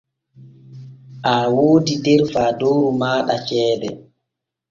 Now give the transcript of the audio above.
Aa woodi der faadooru maaɗa ceede.